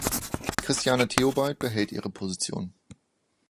Christiane Theobald behält ihre Position.